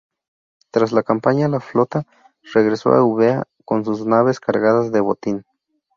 Tras la campaña, la flota regresó a Eubea con sus naves cargadas de botín.